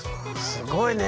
すごいね。